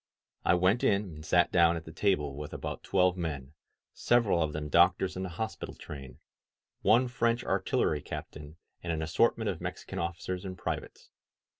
I went in and sat down at the table with about twelve men, several of them doctors in the hospital train, one French artillery captain, and an assortment of Mex ican officers and privates.